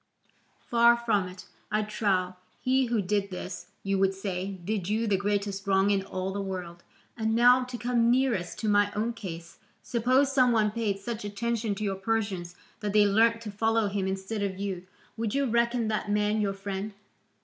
Far from it, I trow; he who did this, you would say, did you the greatest wrong in all the world. And now, to come nearest to my own case, suppose some one paid such attention to your Persians that they learnt to follow him instead of you, would you reckon that man your friend?